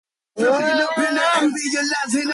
Then there was my sexuality.